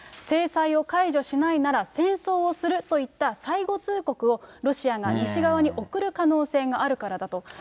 制裁を解除しないなら、戦争をするといった最後通告を、ロシアが西側に送る可能性があるからだと。